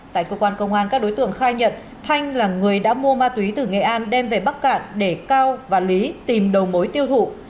tại cơ quan công an các đối tượng khai nhận thanh là người đã mua ma túy từ nghệ an đem về bắc cạn để cao và lý tìm đầu mối tiêu thụ